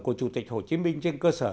của chủ tịch hồ chí minh trên cơ sở